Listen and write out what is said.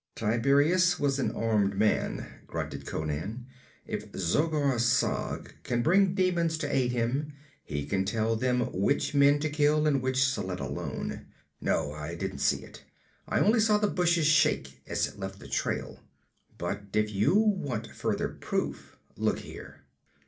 'Tiberias was an armed man,' grunted Conan. 'If Zogar Sag can bring demons to aid him, he can tell them which men to kill and which to let alone. No, I didn't see it. I only saw the bushes shake as it left the trail. But if you want further proof, look here!'